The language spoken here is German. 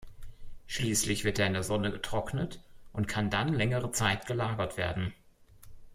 Schließlich wird er in der Sonne getrocknet und kann dann längere Zeit gelagert werden.